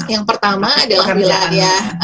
yang pertama adalah wilayah